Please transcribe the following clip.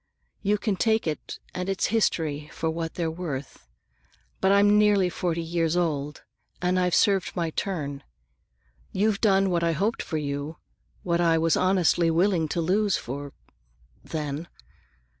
You can take it and its history for what they're worth. But I'm nearly forty years old, and I've served my turn. You've done what I hoped for you, what I was honestly willing to lose you for—then.